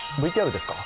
ＶＴＲですか。